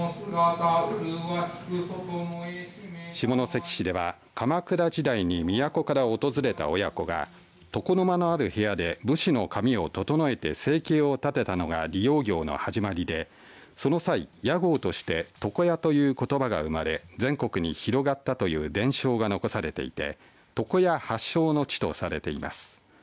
下関市では鎌倉時代に都から訪れた親子が床の間のある部屋で武士の髪を整えて生計を立てたのが理容業の始まりでその際、屋号として床屋ということばが生まれ全国に広がったという伝承が残されていて床屋発祥の地とされています。